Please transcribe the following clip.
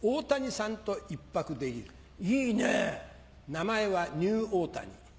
名前はニューオータニ。